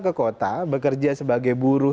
ke kota bekerja sebagai buruh